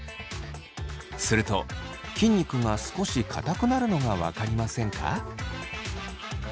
すると筋肉が少しかたくなるのが分かりませんか？